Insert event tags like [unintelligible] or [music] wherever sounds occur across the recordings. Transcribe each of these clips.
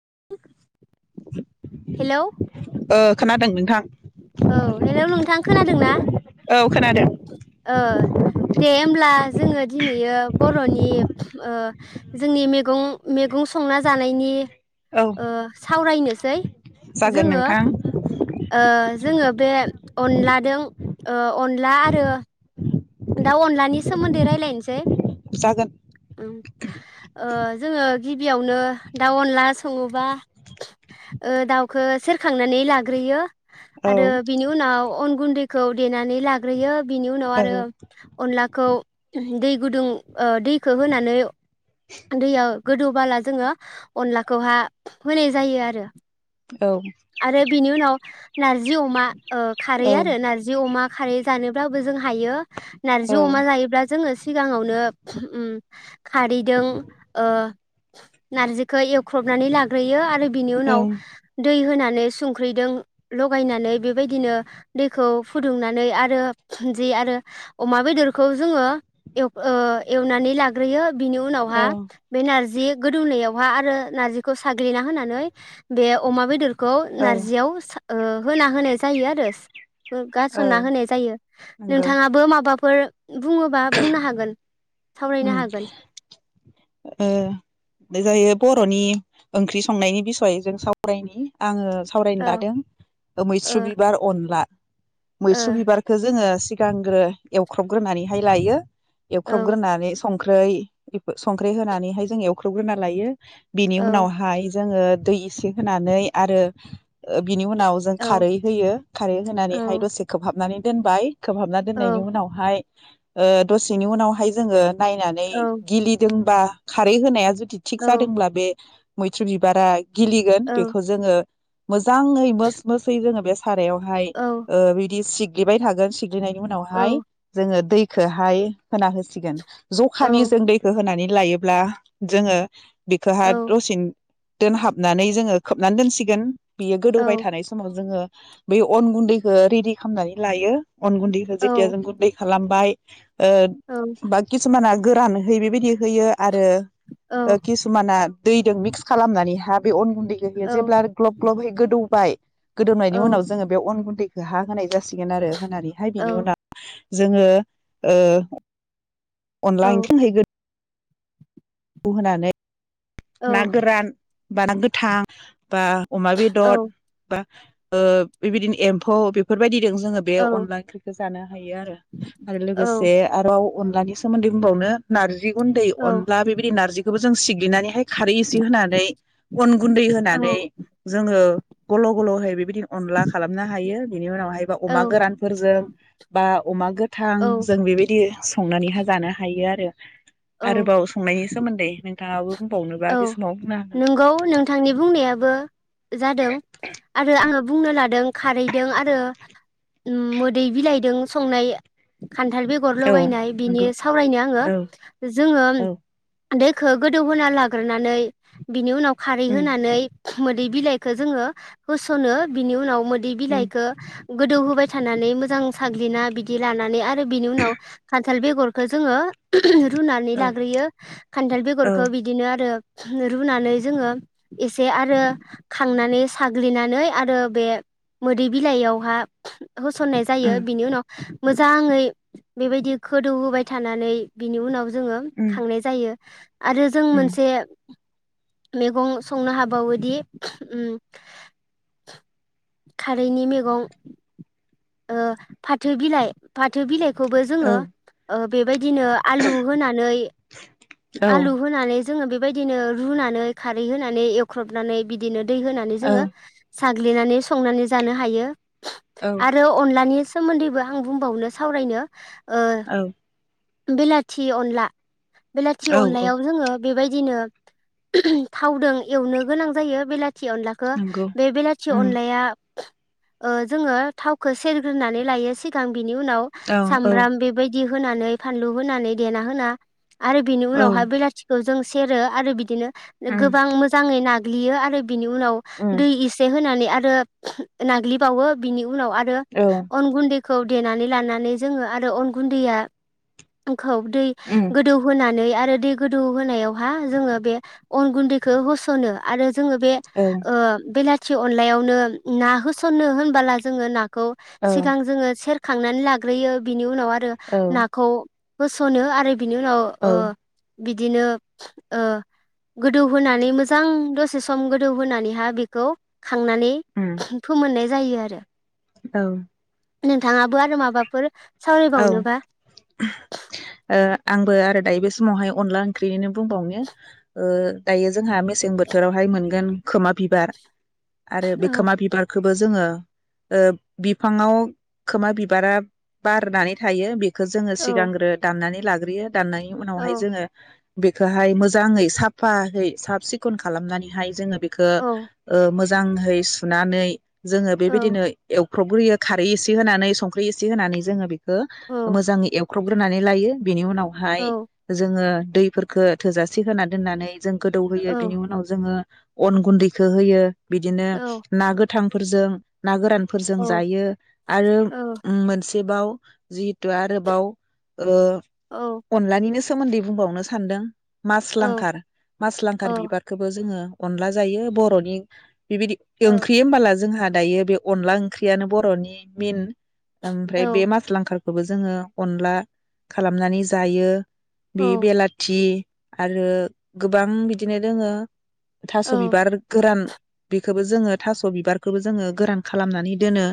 [inaudible] Hello [inaudible] ओ खोनादों नोंथां। औ हेलौ नोंथां खोनादोंना? औ खोनादों ओ दे होमब्ला जोङो दिनैयो बर'नि ओ जोंनि मैगं मैगं संना जानायनि औ ओ सावरायनोसै जागोन जोङो नोंथां। ओ जोङो बे अनलादों ओ अनला आरो दा अनलानि सोमोन्दो रायलायनोसै। जागोन। उम ओ जोङो गिबियावनो दाउ अनला सङोबा ओ दाउखो सेरखांनानै लाग्रोयो औ आरो बिनि उनाव अन गुन्दैखौ देनानै लाग्रोयो बिनि उनाव औ आरो अनलाखौ दै गुदुं ओ दै गोदौ बाला जोङो अनलाखौ हा होनाय जायो आरो। औ आरो बिनि उनाव नारजि जि अमा ओ खारै औ आरो नारजि अमा खारै जानोब्लाबो जों हायो। नारजि अमा जायोब्ला जोङो सिगाङावनो उम खारैदों ओ नारजिखौ एवख्रबनानै लाग्रोयो आरो बिनि उनाव ओं दै होना नै संख्रिदों लगायनानै बेबायदिनो दैखौ फुदुंनानै आरो जि आरो अमा बेदरखौ जोङो एव ओ एवनानै लाग्रोयो। बिनि उनाव हा औ बे नारजि गोदौनायाव हा आरो नारजिखौ साग्लिना होनानै बे अमा बेदर खौ औ नारजियाव सा ओ होना होनाय जायो आरो। बो औ गारसनना होनाय जायो, नंगौ नोंथाङाबो माबा फोर बुंङोबा बुंनो हागोन। सावरायनो उम हागोन ओ जायो बर'नि ओंख्रि संनायनि बिसय जों सावरायनि आंङो सावरायनो औ लादों ओ मैस्रु बिबार अनला। मैस्रु ओ बिबारखौ जोङो सिगांग्रो एवख्रबग्रोनानै हाय लायो। एवख्रबग्रोना संख्रै संख्रै होनानैहाय जों एवख्रबग्रोना लायो। बेनि औ उनावहाय जोङो दै इसे होनानै आरो ओ बिनि उनाव जों औ खारै होयो खारै होनानैहाय दसे खोबहाबनानै दोनबाय। खोबहाबना दोननायनि औ उनावहाय ओ दसेनि उनावहाय जोङो नायनानै औ गिलिदोंबा। खारै होनाया जुद थिग औ जादोंब्ला बे। मैथ्रु बिबाराय। गिलिगोन औ बेखौ जोङो। मोजाङै मोस मोसै जोङो बे। सारायावहाय औ ओ बिदि सिग गेबाय थागोन सिग नायनि उनावहाय औ जोङो दै। खोहाय खोना होसिगोन। जखानि औ जों दैखो होनानै। लायोब्ला जोङो। बेखोहा औ दसेन दोनहाबनानै जोङो खोबनानै दोनसिगोन। बियो औ गोदौबाय थानाय समाव जोङो। बे अन गुन्दैखौ रेडि खालामनानै लायो। अन गुन्दैखो जेटिया औ जों गुन्दैखो खालामबाय। ओ औ बाख सुमाना गोरान होयो बेबायदि होयो। आरो औ ओ किसुमाना। दैदों मिक्स खालामनानै हा बे अन गुनदै । ओ बेयो औ जेब्ला ग्लब ग्लब होयो गोदौबाय गोदौनायनि औ उनाव जोङो बेयाव अन गुन्दै। हा होनाय जासि गोन आरो होनानैहाय बिनि उनाव। जोङो ओ। अनला ओंख्रि हैगोन। खौ होनानै। नागोरान। बादाम गोथां। बा अमा बेदर बा। ओ बेबायदिनो एम्फौ बेफोरबायदि। जोङो बे अनला ओंख्रिखौ जानो हायो आरो-आरो लोगोसे आरोबाव अनलानि सोमोन्दै बुंबावनो नारजि गुदै अनला बे नारजिखौबो जों सिग्लिनानैहाय खारै एसे होनानै अन गुन्दै होनानै औ जोङो गल'-गल'हाय बेबायदि अनला खालामनो हायो बिनि उनावहाय एबा अमा गोरानफोरजों बा अमा गो थां औ औ जों बेबायदि संनानैहाय जानो हायो आरो। आरोबाव संनायनि सोमोन्दै नोंथांआबो औ नंगौ नोंथांनि बुंनायाबो जादों आरो आंङो बुंनो लादों खारैदों आरो मोदै बिलाइदों संनाय खान्थाल बेगर औ लगायनाय बिनि नंगौ सावरायनो आंङो औ जोंङो औ दैखौ गोदौ होनोना लाग होग्रोनानै बिनि उनाव खारै उम होनानै मोदै बिलाइखौ जोंङो होसनो बिनि उनाव मोदै उम बिलाइखो गोदौ होबाय थानानै मोजां साग्लिना बिदि लानानै आरो बिनि उनाव खान्थाल बेगरखौ जोंङो रुनानै औ लाग्रोयो खान्थाल औ बेगरखौ बिदिनो आरो रुनानै जोंङो एसे आरो खांनानै साग्लिनानै आरो बे मोदै बिलाइयावहा होसननाय उम जायो बिनि उनाव मोजांङै बेबायदि खोदौहोबाय थानानै बिनि उनाव जोंङो उम खांनाय जायो। आरो जों मोन उम [unintelligible] मैगं संनो हाबावोदि ओ खारैनि मैगं ओ फाथो बिलाइ-फाथो बिलाइ खौ खौबो औ जोंङो ओ बेबायदिनो आलु होनानै आलु होनानै जोंङो बेबायदिनो रुनानै खारै होनानै एवख्रबनानै बिदिनो दै होनानै औ जोङो साग्लिनानै संनानै जानो हायो। औ आरो अनलानि सोमोन्दैबो आं बुंबावनो सावरायनो औ बिलाथि अनला बेलाथि औ औ अनलायाव जोङो बेबायदिनो थावजों एवनो गोनां जायो बेला थि अनलाखौ नंगौ बे बेलाथि उम अनलाया ओ जोङो थावखौ सेरग्रोनानै लायो सिगां बिनि उनाव औ औ सामब्राम बेबायदि बिदि होनानै फानलु होनानै देना होना आरो बेनि औ उनावहाय बेलाथिखौ जों सेरो आरो बिदिनो उम गोबां मोजाङै ना ग्लियो आरो बिनि उनाव उम दै इसे होनानै आरो नाग्लिबावो बिनि उनाव आरो औ अन गुन्दै खौ देनानै लानानै जोङो आरो अन गुन्दैया खौ दै उम गोदौ होनानै आरो दै गोदौ होनायावहा जोङो बे अन गुन्दैखौ होस'नो आरो जोङो बे औ ओ बेला थि अनलायावनो ना होस'ननो होनबोला जोङो ना खौ औ सिगां जोङो सेर खांनानै लाग्रोयो बि नि उनाव आरो औ होसनो आरो बिनि उनाव ओ औ बिदिनो ओ गोदौहोनानै मोजां दसे सम गोदौहोनानैहा बेखौ, खांनानै उम फोमोननाय जायो आरो औ नोंथाङाबो आरो माबाफोर, औ ओ सावरायबावनोबा आंबो आरो दायो बेस माहायाव अनला ओंख्रिनिनो बुंबावनो ओ दायो जोंहा मेसें बोथोरावहाय मोनगोन खोमा बिबार, आरो बे औ खोमा बिबार, खौबो जोङो ओ बिफाङाव खोमा बिबारा, बारनानै थायो बेख खो जोङो औ सिगांग्रो दामनानै लाग्रोयो दाननायनि उनावहाय औ जोङो, बेखौहाय मोजाङै साफायै साफ सिखन खालामनानैहाय जोङो बे खो औ ओ मोज मोजांङै सुनानै, जोङो औ बेबायदिनो एव फ्रबग्रोयो खारै एसे होनानै संख्रि एसे होनानै जोङो बेख खो औ मोजाङै एव खुबग्रोनानै लायो, बिनि औ उनावहाय जोङो, दैफोरखो थोजासे होना दोन्नानै, जों गोदौहोयो बिनि उनाव जोङो अन गुन्दैखौ होयो, बिदिनो औ ना गोथां, फोरजों ना गोरानफोरजों औ जायो आरो उम मोनस बेबाव जि दो आरोबाव ओ औ अनलानिनो सो सोमोन्दै बुंबावनो सानदों, मास औ लांखार मास लांखार औ बिबारखौबो जोङो, अनला जायो बर'नि, बेबायदि औ ओंख्रि होमबला जोंहा, दायो बे अनला ओंख्रियानो बर'नि मिन औ ओमफ्राय बे मास लांंखारखौ खौबो जोङो अनला खालामनानै जायो बे बेलाथि आरो गोबां बिदिनो दोङो। औ थास' बिबार गोरान बेखोबो जोङो थास' बिबारखोबो जोङो गोरान खालामनानै दोनो।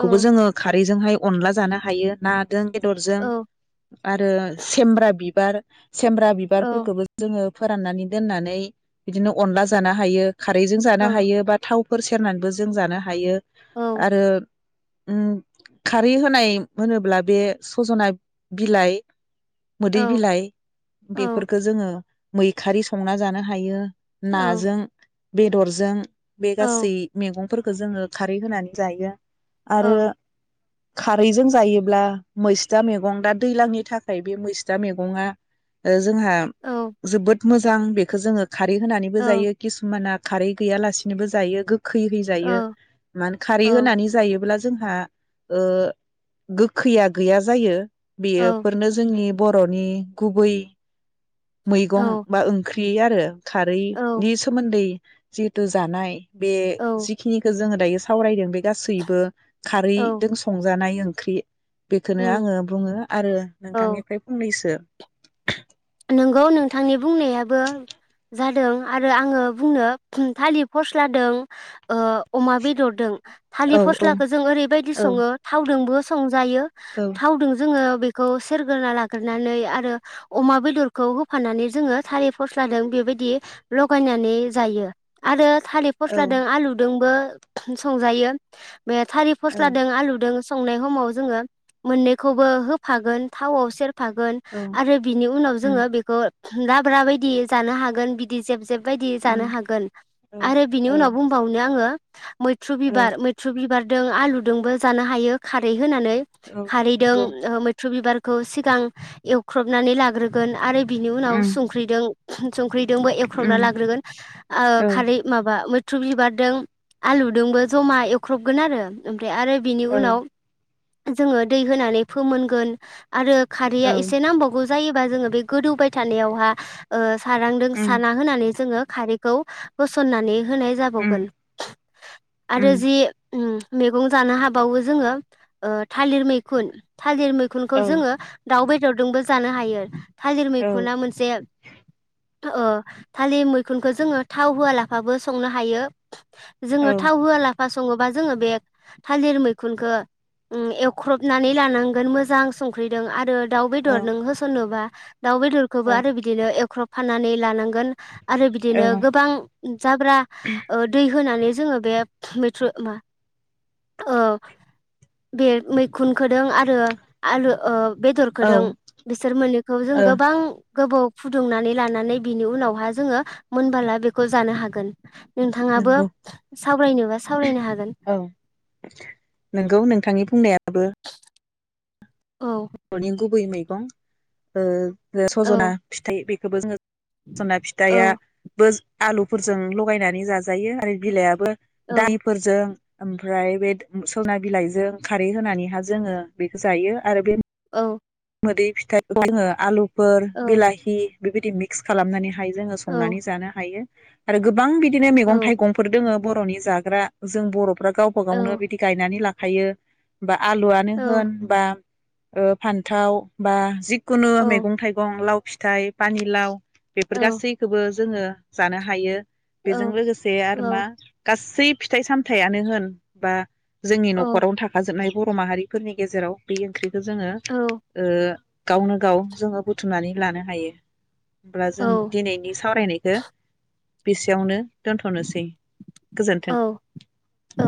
औ जोङो खाद ओइजोंहाय अनला जानो हायो ना जों बेदरजों आरो सेमब्रा बिब बिबार सेमब्रा बिबारफोरखौबो जोङो फोराननानै दोननानै बिदिनो अनला जानो हायो। खारैजों जानो हायो बा थाव फोर सेरनानैबो जों जानो हायो। आरो ओम। खारै होनाय होनोब्ला बे सजना बिलाइ औ मोदै बिलाइ बेफोरफोरखो जोङो मैखारि संना जानो हायो। नाजों बेदरजों बे गासै मेगं फोरखो जोङो खारै होनानै जायो आरो। आरो खारैजों जायोब्ला मैस्था मेगं दा दैलांनि थाखाय बे मैस्था मैगङा ओ जोंहा औ जोबोद मोजां बेखो जोङो खारै होनानैबो जायो किसुमाना खारै गैयालासिनोबो जायो गो खैहैजायो मा खारै होनानै जायोब्ला जोंहा ओ गोखैया गैया जायो। बेयो फोरनो जोंनि बर'नि गुबै मैगं बा ओंख्रि बेयो आरो। खारैनि सोमोन्दै जिहेतु जानाय बे जिखिनिखौ जोङो दायो सावरायदों बे गासैबो खारैदों संजानाय ओं ख्रि बेख़नो उम आङो बुङो आरो औ नोंथांनिफ्राय फंनैसो नोंगौ नोंथांनि बुंनायाबो जादों आरो आङो बुंनो थालिर फस्लादों ओ अमा बेदरदों। थालिर औ औ फस्लाखौ जों ओरैबायदि औ सङो थावदोंबो सं जायो औ थावदों जोङो बे खौ सोरग्रोना लाग्रोनानै आरो अमा बेद बेदरखौ होफाननानै जोङो थालिर फस्लादों बे बायदि लगायना नि जायो आरो थालिर औ फस्लादों आलुदोंबो [unintelligible] संजायो। बे थारि औ फस्लादों आलुदों संनाय समाव जोङो मोननैखौबो होफागोन थावआव सेर फागोन औ आरो बिनि उनाव उम जोङो बेखौ लाब्रा बायदि जानो हागोन बिदि जेब जेब बायदि उम जानो हागोन औ आरो बिनि औ उनाव बुंबावनो आङो। मैथ्रु औ बिबार मैथ्रु बिबार। दों आलुदोंबो जानो हायो खारै होनानै औ खारैदों नंगौ मैथ्रु बिबार खौ सिगां एवख्रबनानै लाग्रो गोन आरो बिनि उनाव उम संख्रिदों [unintelligible] जों। संख्रिदोंबो एख्रबना उम लाग्रोगोन ओ औ खारै माबा मो थ्रु बिबारदों आलुदोंबो जमा एवख्रबगोन आरो। ओमफ्राय आरो बिनि औ उनाव जोङो दै होनानै फोमोनगोन । आरो खारैया औ एसे नांबावगौ जायो बा जोङो बे गोदौबाय थानायाव हा ओ सारांदों उम सारा होनानै जोङो खारैखौ होसननानै होनाय उम जाबावगोन आरो उम जि मैगं जानो हाबावो जोङो थालिर मैखुन। थालिर मैखुनखौ औ जोङो दाव बे जोंबो जानो हायो। थालिर औ मैखुना मोनसे थालिर मैखुनखौ जोङो थाव होआलाफाबो संनो हायो। औ जोङो थाव होआला सङोबा जोङो बे थालिर मैखुनखौ एवख्रबनानै लानांगोन मोजां संख्रिदों आरो दाउ औ बेदर नों होसननोबा। दाउ बेदरखौबो आरो बिदिनो एवख्रब फानानै लानांगौ। आरो बिदिनो औ गोबां जाब्रा दै होनानै जोङो बे मैथ्रु औ बेदरखौजों बिसोर मोन जों ओ गोबां। गोबाव फुदुंनानै लानानै बिनि उनावहा जोङो मोनबोला बेखौ जानो हागोन। नोंथाङाबो नंगौ सावरायनोबा सावरायनो हागोन। औ नंगौ नोंथांनि बुंनायाबो औ बर'नि गुबै मै गं ओ ज सज'ना औ फिथाइ बे खोबो जोङो । सजना औ फिथाइआ बो आलुफोरजों लगायनानै जाजायो आरो बिलाइआबो औ दालिफोरजों ओमफ्राय बे सजना बिलाइजों खारै होनानैहा जोङो बेखौ जायो आरो बे औ। मोदै फिथाइखौ जोङो आलु फोर औ बिलाहि बेबायदि मिक्स खालामनानै जोङो औ संनानै जानो हायो। आरो गोबां बिदि बिदिनो औ मैगं थाइगंफोर दोङो बर'नि जाग्रा जों बर' फ्रा गावबा औ गावनो बिदि गायनानै ला हायो बा आलुआनो औ होन बा ओ फान्थाव बा जिख खुनु मैगं थाइगं लाव फिथाइ पानि लाव औ बेफोर गासैखौबो जोङो जानो हायो। बेजों लोगोसे आरो मा गास सै फिथाइ सामथायानो होन बा जोंनि न'खरावनो थाखाजोबनाय बर' माहारिफोरनि गेजेराव बे ओंख्रि खौ जोङो ओ गावनो गाव जोङो बुथुमनानै लानो हायो। होमब्ला औ जों दिनैनि सावरायनायखौ बेसेयावनो दोन्थनोसै गोजोन्थों। औ